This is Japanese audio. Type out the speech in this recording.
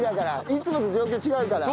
いつもと状況違うから。